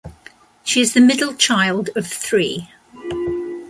She is the middle child of three.